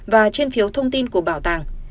và trên phiếu thông tin của bảo tàng